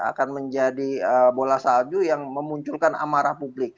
akan menjadi bola salju yang memunculkan amarah publik